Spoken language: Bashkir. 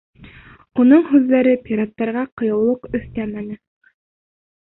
Уның һүҙҙәре пираттарға ҡыйыулыҡ өҫтәмәне.